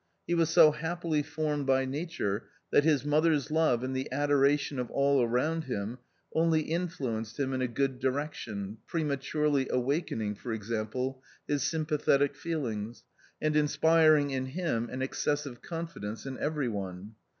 He was so happily formed by Nature that his mother's love and the adoration of all around him only influenced him in a good direction, prematurely awakening, for example, his sympathetic feelings, and inspiring in him an excessive confidence in every one.